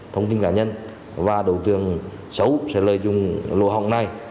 thông tin cá nhân và đối tượng xấu sẽ lây dung lô hộng này